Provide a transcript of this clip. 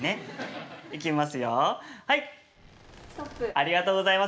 ありがとうございます。